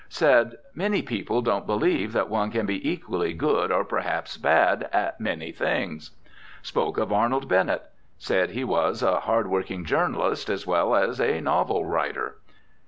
Said, "Many people won't believe that one can be equally good, or perhaps bad, at many things." Spoke of Arnold Bennett; said he was "a hard working journalist as well as a novel writer."